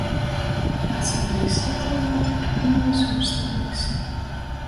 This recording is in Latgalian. Atsagrīzs Latvejā, turpynuojs uorsta praksi,